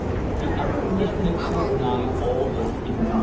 The other Englishmen at Fort 9 all lived in Room 42.